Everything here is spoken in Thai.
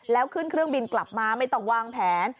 แล้วขึ้นเครื่องบินกลับมาไม่ต้องวางแผน